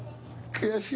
悔しい。